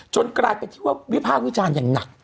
กลายเป็นที่ว่าวิพากษ์วิจารณ์อย่างหนัก